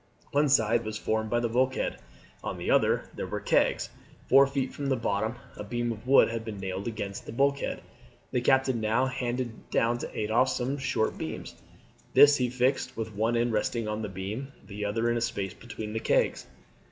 One side was formed by the bulkhead, on the other there were kegs. Four feet from the bottom a beam of wood had been nailed against the bulkhead. The captain now handed down to Adolphe some short beams; these he fixed with one end resting on the beam, the other in a space between the kegs.